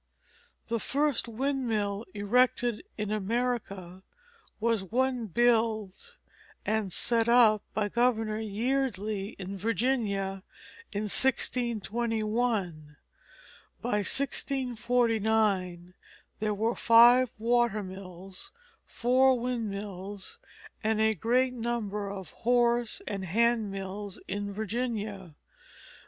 The first windmill erected in America was one built and set up by Governor Yeardley in Virginia in 1621. By 1649 there were five water mills, four windmills, and a great number of horse and hand mills in Virginia.